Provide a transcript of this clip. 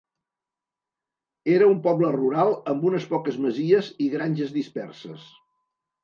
Era un poble rural amb unes poques masies i granges disperses.